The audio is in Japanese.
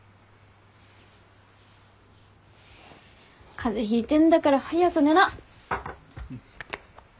風邪ひいてんだから早く寝な。